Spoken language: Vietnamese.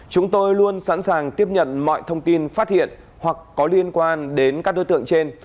chúng tôi luôn sẵn sàng tiếp nhận mọi thông tin phát hiện hoặc có liên quan đến các đối tượng trên